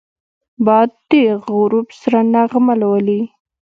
باد د غروب سره نغمه لولي